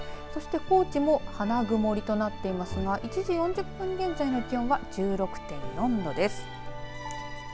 そして高知も花曇りとなっていますが１時４０分現在の気温は１６．４度です。